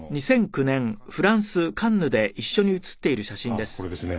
あっこれですね。